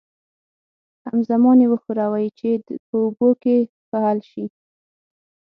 همزمان یې وښورئ چې په اوبو کې ښه حل شي.